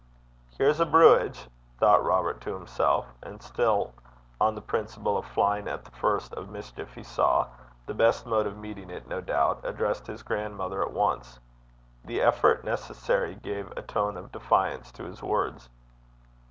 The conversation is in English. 'Here's a browst (brewage)!' thought Robert to himself; and, still on the principle of flying at the first of mischief he saw the best mode of meeting it, no doubt addressed his grandmother at once. The effort necessary gave a tone of defiance to his words.